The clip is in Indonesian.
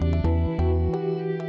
harusnya keburu harusnya keburu